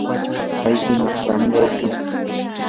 kay hunaq tamyaykan.